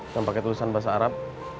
yang pakai tulisan bahasa arab